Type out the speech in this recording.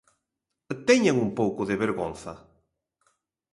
Teñan un pouco de vergonza.